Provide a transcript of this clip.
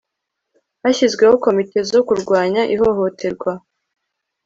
hashyizweho komite zo kurwanya ihohoterwa